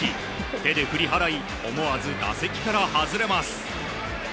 手で振り払い思わず打席から外れます。